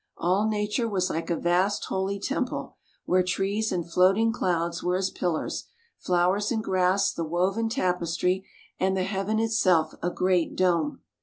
All Nature was like a vast holy temple, where trees and floating clouds were as pillars, flowers and grass the woven tapestry, and the heaven itself a great dome.